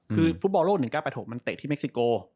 คือฟุตบอลโลก๑๙๘๖มันเตะที่เม็กซิโก